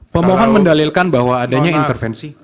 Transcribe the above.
pemohon mendalilkan bahwa adanya intervensi